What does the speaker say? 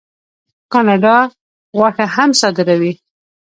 کاناډا غوښه هم صادروي.